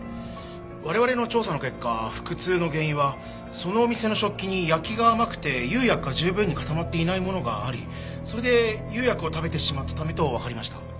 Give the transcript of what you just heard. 我々の調査の結果腹痛の原因はそのお店の食器に焼きが甘くて釉薬が十分に固まっていないものがありそれで釉薬を食べてしまったためとわかりました。